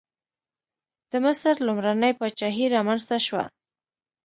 د مصر لومړنۍ پاچاهي رامنځته شوه.